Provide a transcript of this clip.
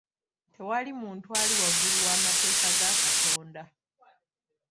Tewali muntu ali waggulu w'amateeka ga Katonda.